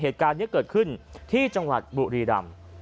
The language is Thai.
เหตุการณ์นี้เกิดขึ้นที่จังหวัดบุรีรำ